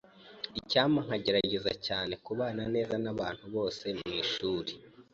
Icyampa nkagerageza cyane kubana neza nabantu bose mwishuri.